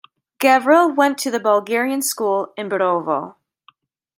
Gavril went to the Bulgarian school in Berovo.